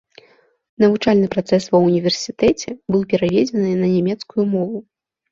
Навучальны працэс ва ўніверсітэце быў пераведзены на нямецкую мову.